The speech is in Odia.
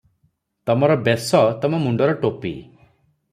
"ତମର ବେଶ- ତମ ମୁଣ୍ଡର ଟୋପି ।"